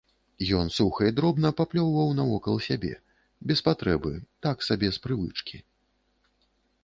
Ён суха і дробна паплёўваў навокал сябе, без патрэбы, так сабе, з прывычкі.